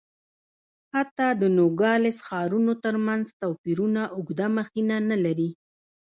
حتی د نوګالس ښارونو ترمنځ توپیرونه اوږده مخینه نه لري.